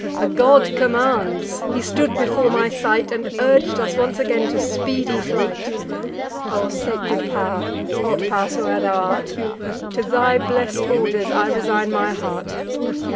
A god commands: he stood before my sight, And urg'd us once again to speedy flight. O sacred pow'r, what pow'r soe'er thou art, To thy blest orders I resign my heart.